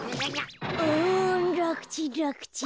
うんらくちんらくちん。